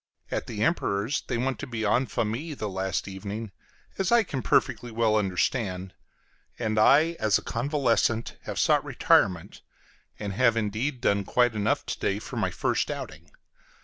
At the Emperor's they want to be en famille the last evening, as I can perfectly well understand; and I, as a convalescent, have sought retirement, and have indeed done quite enough to day for my first outing.